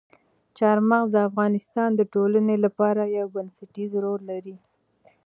چار مغز د افغانستان د ټولنې لپاره یو بنسټيز رول لري.